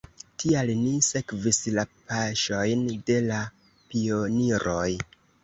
Tial ni sekvis la paŝojn de la pioniroj!